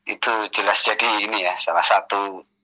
itu jelas jadi ini ya salah satu